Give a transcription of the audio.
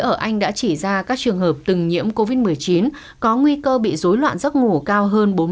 y khoa anh đã chỉ ra các trường hợp từng nhiễm covid một mươi chín có nguy cơ bị dối loạn giấc ngủ cao hơn bốn mươi một